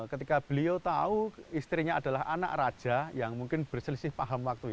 ketika beliau tahu istrinya adalah anak raja yang mungkin berselisih paham waktu itu